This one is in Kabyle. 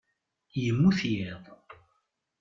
Yemmut yiḍ.